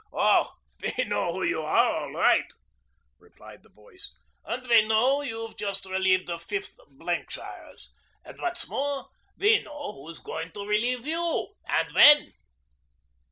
'Oh, we know who you are all right,' replied the voice. 'And we know you've just relieved the Fifth Blankshires; and what's more, we know who's going to relieve you, and when.'